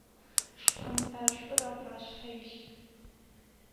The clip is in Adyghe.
Шкъун ӏэшӏур апашъхьэ илъ.